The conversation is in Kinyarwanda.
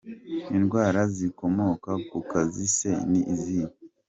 Indwara zikomoka ku kazi se ni izihe ?.